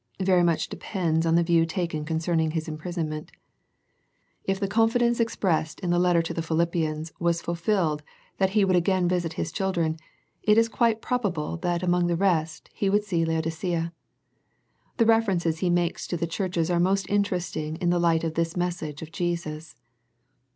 Very much depends on the view taken concerning his imprisonment. If 185 1 86 A First Century Message the confidence expressed in the letter to the Philippians was fulfilled that he would again visit his children, it is quite probable that among the rest, he would see Laodicea. The references he makes to the church are most interesting in the light of this message of Jesus.